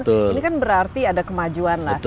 ini kan berarti ada kemajuan lah